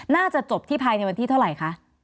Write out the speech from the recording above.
น่าจะจบที่ภายในวันที่เท่าไหร่คะ